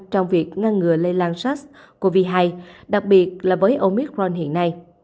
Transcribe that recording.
trong việc ngăn ngừa lây lan sars cov hai đặc biệt là với omicron hiện nay